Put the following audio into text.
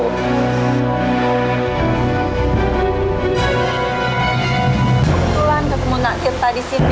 kebetulan ketemu nak tirta di sini